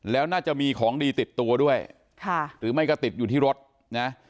แล้วน่าจะมีของดีติดตัวด้วยค่ะหรือไม่ก็ติดอยู่ที่รถนะ